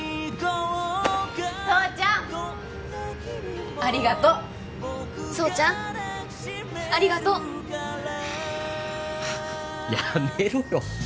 蒼ちゃんありがとう蒼ちゃんありがとうっやめろよ